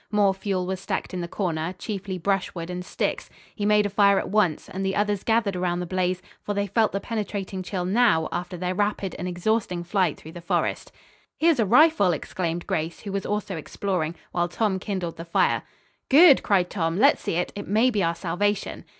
More fuel was stacked in the corner, chiefly brushwood and sticks. He made a fire at once and the others gathered around the blaze, for they felt the penetrating chill now, after their rapid and exhausting flight through the forest. "Here's a rifle," exclaimed Grace, who was also exploring, while Tom kindled the fire. "Good!" cried Tom. "Let's see it. It may be our salvation."